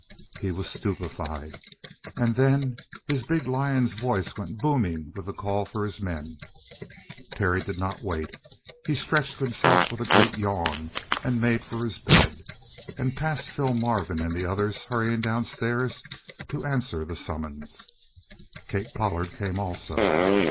He was stupefied, and then his big lion's voice went booming with the call for his men. Terry did not wait; he stretched himself with a great yawn and made for his bed, and passed Phil Marvin and the others hurrying downstairs to answer the summons. Kate Pollard came also.